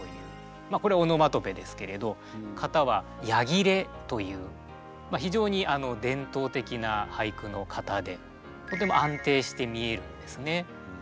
まあこれはオノマトペですけれど型は「や切れ」という非常に伝統的な俳句の型でとても安定して見えるんですね。